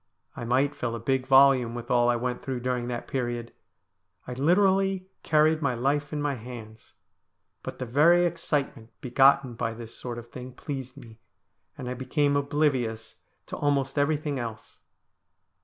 I might fill a big volume with all I went through during that period. I literally carried my life in my hands, but the very excitement begotten by this sort of thing pleased me, and I became oblivious to almost everything else.